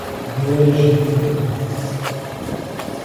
Brejinho